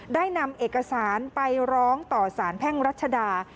ได้นำเอกสารไปร้องต่อสารแพ่งรัชดา